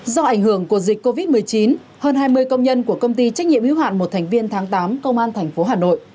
do ảnh hưởng của dịch covid một mươi chín hơn hai mươi công nhân của công ty trách nhiệm hữu hạn một thành viên tháng tám công an tp hà nội